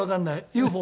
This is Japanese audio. ＵＦＯ